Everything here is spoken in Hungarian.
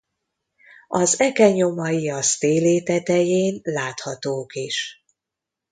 Az eke nyomai a sztélé tetején láthatók is.